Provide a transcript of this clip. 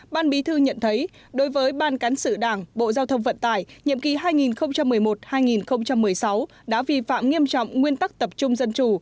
ban bí thư nhận thấy đối với ban cán sự đảng bộ giao thông vận tải nhiệm kỳ hai nghìn một mươi một hai nghìn một mươi sáu đã vi phạm nghiêm trọng nguyên tắc tập trung dân chủ